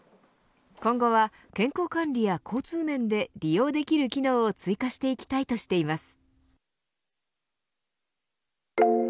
今後は健康管理や交通面で利用できる機能を追加していきたいとしています。